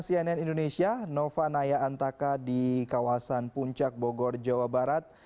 cnn indonesia nova naya antaka di kawasan puncak bogor jawa barat